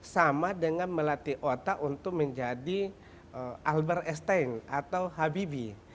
sama dengan melatih otak untuk menjadi alber esteng atau habibi